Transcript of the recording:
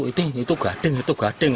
itu gading itu gading itu gading